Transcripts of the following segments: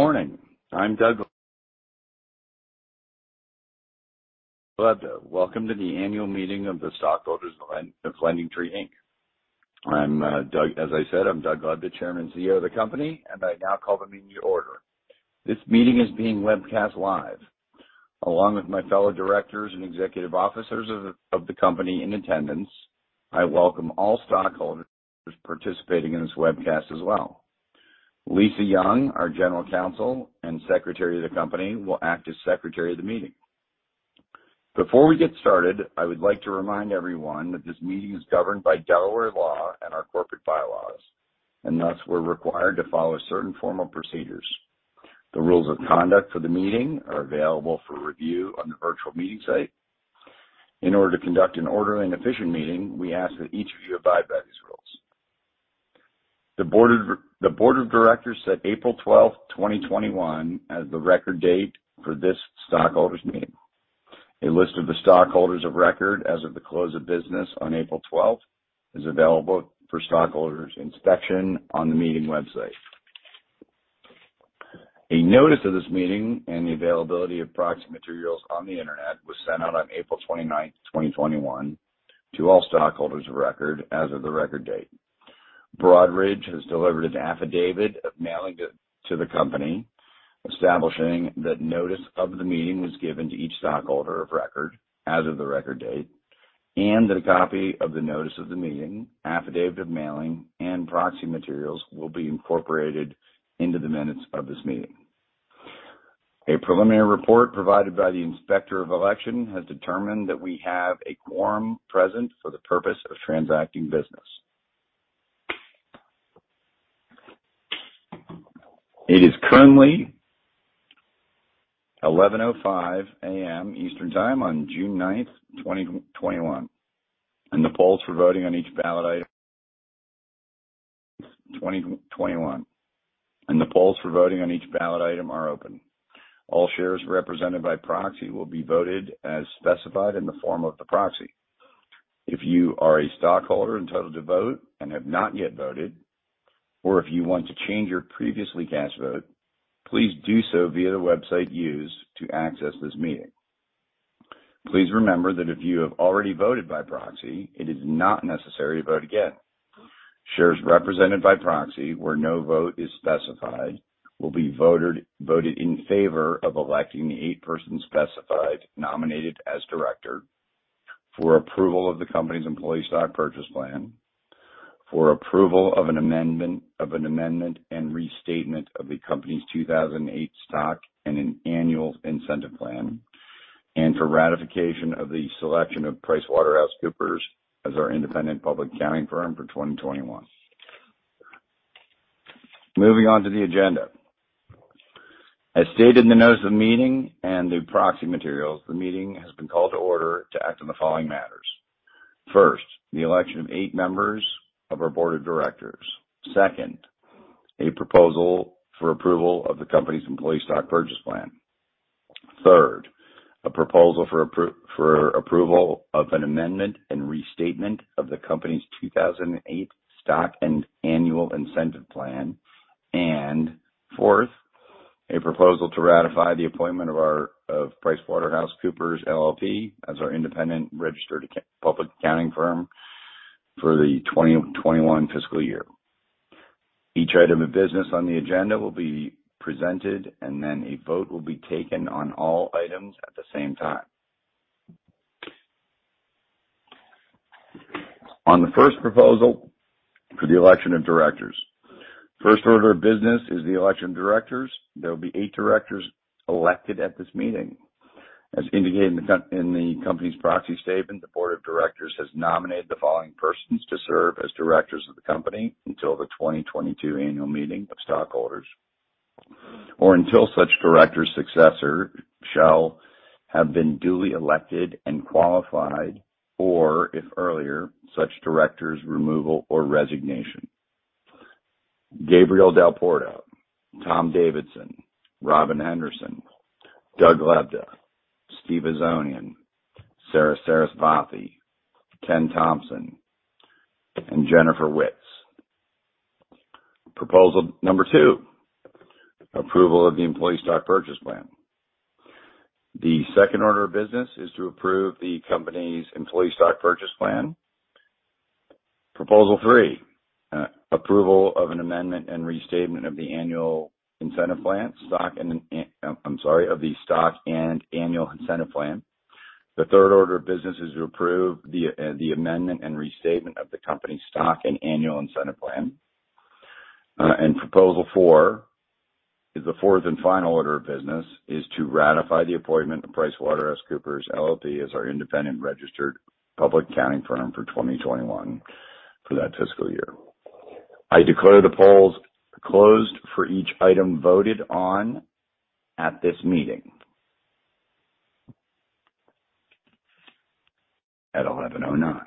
Morning. I'm Doug Lebda. Welcome to the annual meeting of the stockholders of LendingTree, Inc. I'm Doug, as I said, I'm Doug Lebda, Chairman and CEO of the company, and I now call the meeting to order. This meeting is being webcast live. Along with my fellow directors and executive officers of the company in attendance, I welcome all stockholders participating in this webcast as well. Lisa Young, our general counsel and secretary of the company, will act as secretary of the meeting. Before we get started, I would like to remind everyone that this meeting is governed by Delaware law and our corporate bylaws, and thus we're required to follow certain formal procedures. The rules of conduct for the meeting are available for review on the virtual meeting site. In order to conduct an orderly and efficient meeting, we ask that each of you abide by these rules. The board of directors set April 12th, 2021, as the record date for this stockholders' meeting. A list of the stockholders of record as of the close of business on April 12th is available for stockholders' inspection on the meeting website. A notice of this meeting and the availability of proxy materials on the internet was sent out on April 29th, 2021, to all stockholders of record as of the record date. Broadridge has delivered an affidavit of mailing to the company, establishing that notice of the meeting was given to each stockholder of record as of the record date, and that a copy of the notice of the meeting, affidavit of mailing, and proxy materials will be incorporated into the minutes of this meeting. A preliminary report provided by the inspector of election has determined that we have a quorum present for the purpose of transacting business. It is currently 11:05 A.M. EST on June 9th, 2021, and the polls for voting on each ballot item are open. All shares represented by proxy will be voted as specified in the form of the proxy. If you are a stockholder entitled to vote and have not yet voted, or if you want to change your previously cast vote, please do so via the website used to access this meeting. Please remember that if you have already voted by proxy, it is not necessary to vote again. Shares represented by proxy, where no vote is specified, will be voted in favor of electing the eight persons specified nominated as director for approval of the company's Employee Stock Purchase Plan, for approval of an amendment and restatement of the company's 2008 Stock and Annual Incentive Plan, and for ratification of the selection of PricewaterhouseCoopers as our independent public accounting firm for 2021. Moving on to the agenda. As stated in the notice of the meeting and the proxy materials, the meeting has been called to order to act on the following matters. First, the election of eight members of our board of directors. Second, a proposal for approval of the company's Employee Stock Purchase Plan. Third, a proposal for approval of an amendment and restatement of the company's 2008 Stock and Annual Incentive Plan. And fourth, a proposal to ratify the appointment of PricewaterhouseCoopers LLP as our independent registered public accounting firm for the 2021 fiscal year. Each item of business on the agenda will be presented, and then a vote will be taken on all items at the same time. On the first proposal for the election of directors, first order of business is the election of directors. There will be eight directors elected at this meeting. As indicated in the company's proxy statement, the board of directors has nominated the following persons to serve as directors of the company until the 2022 annual meeting of stockholders, or until such director's successor shall have been duly elected and qualified, or if earlier, such director's removal or resignation: Gabriel Dalporto, Tom Davidson, Robin Henderson, Doug Lebda, Steve Ozonian, Saras Sarasvathy, Ken Thompson, and Jennifer Witz. Proposal number two, approval of the Employee Stock Purchase Plan. The second order of business is to approve the company's Employee Stock Purchase Plan. Proposal three, approval of an amendment and restatement of the Annual Incentive Plan, stock and, I'm sorry, of the Stock and Annual Incentive Plan. The third order of business is to approve the amendment and restatement of the company's Stock and Annual Incentive Plan. And proposal four, the fourth and final order of business, is to ratify the appointment of PricewaterhouseCoopers LLP as our independent registered public accounting firm for 2021 for that fiscal year. I declare the polls closed for each item voted on at this meeting at 11:09 A.M.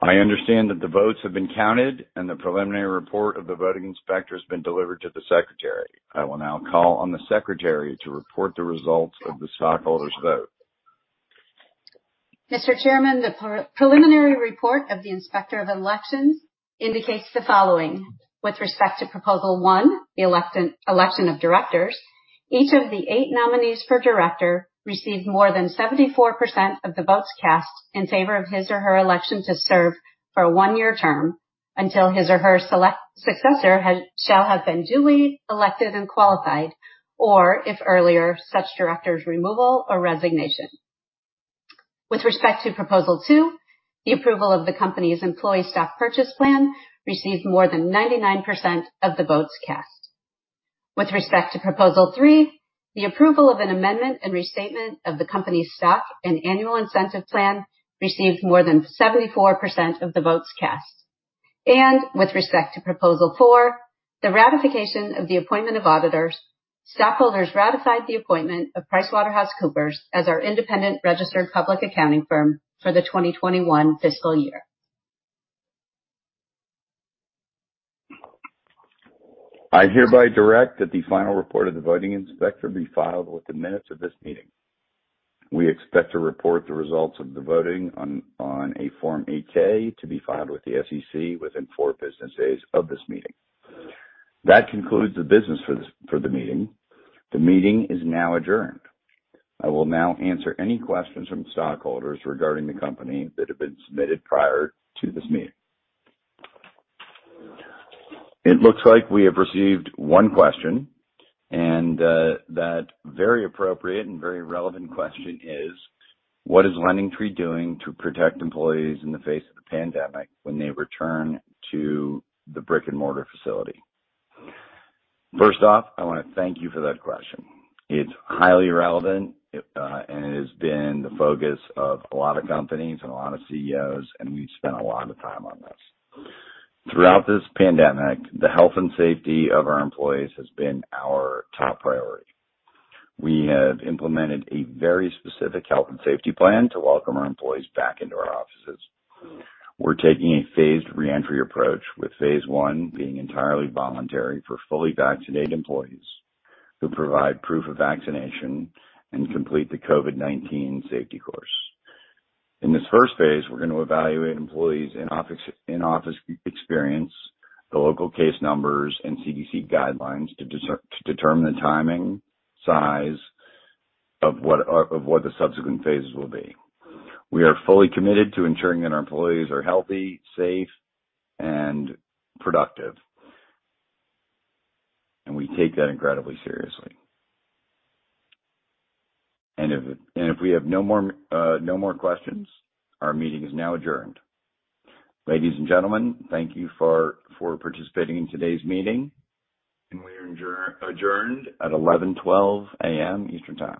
I understand that the votes have been counted and the preliminary report of the voting inspector has been delivered to the secretary. I will now call on the secretary to report the results of the stockholders' vote. Mr. Chairman, the preliminary report of the inspector of elections indicates the following: with respect to proposal one, the election of directors, each of the eight nominees for director received more than 74% of the votes cast in favor of his or her election to serve for a one-year term until his or her successor shall have been duly elected and qualified, or if earlier, such director's removal or resignation. With respect to proposal two, the approval of the company's Employee Stock Purchase Plan received more than 99% of the votes cast. With respect to proposal three, the approval of an amendment and restatement of the company's Stock and Annual Incentive Plan received more than 74% of the votes cast. With respect to proposal four, the ratification of the appointment of auditors, stockholders ratified the appointment of PricewaterhouseCoopers as our independent registered public accounting firm for the 2021 fiscal year. I hereby direct that the final report of the voting inspector be filed with the minutes of this meeting. We expect to report the results of the voting on a Form 8-K to be filed with the SEC within four business days of this meeting. That concludes the business for the meeting. The meeting is now adjourned. I will now answer any questions from stockholders regarding the company that have been submitted prior to this meeting. It looks like we have received one question, and that very appropriate and very relevant question is: What is LendingTree doing to protect employees in the face of the pandemic when they return to the brick-and-mortar facility? First off, I want to thank you for that question. It's highly relevant, and it has been the focus of a lot of companies and a lot of CEOs, and we've spent a lot of time on this. Throughout this pandemic, the health and safety of our employees has been our top priority. We have implemented a very specific health and safety plan to welcome our employees back into our offices. We're taking a phased re-entry approach, with phase one being entirely voluntary for fully vaccinated employees who provide proof of vaccination and complete the COVID-19 safety course. In this first phase, we're going to evaluate employees' in-office experience, the local case numbers, and CDC guidelines to determine the timing, size of what the subsequent phases will be. We are fully committed to ensuring that our employees are healthy, safe, and productive, and we take that incredibly seriously. And if we have no more questions, our meeting is now adjourned. Ladies and gentlemen, thank you for participating in today's meeting, and we are adjourned at 11:12 A.M. Eastern Time.